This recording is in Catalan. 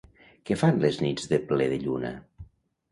Què fan les nits de ple de lluna?